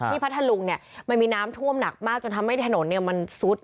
พัทธลุงมันมีน้ำท่วมหนักมากจนทำให้ถนนมันซุด